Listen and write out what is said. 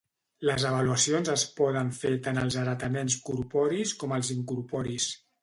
Les avaluacions es poden fer tant als heretaments corporis com als incorporis.